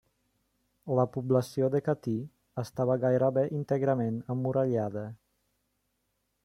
La població de Catí, estava gairebé íntegrament emmurallada.